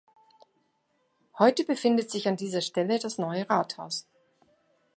Heute befindet sich an dieser Stelle das Neue Rathaus.